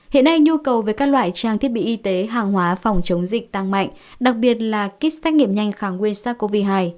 hiện nay nhu cầu về các loại trang thiết bị y tế hàng hóa phòng chống dịch tăng mạnh đặc biệt là kit xét nghiệm nhanh kháng nguyên sars cov hai